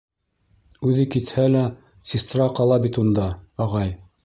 Үҙе китһә лә, сестра ҡала бит унда, ағай.